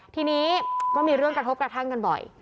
ทีนี้ก็มีเรื่องกระทบกระทั่งกันบ่อย